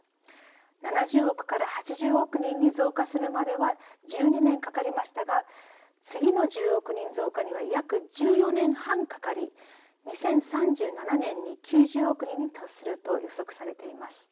７０億から８０億人に増加するまでは１２年かかりましたが次の１０億人増加には約１４年半かかり２０３７年に９０億人に達すると予測されています。